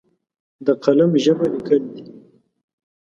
د قلم ژبه لیکل دي!